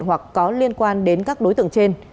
hoặc có liên quan đến các đối tượng trên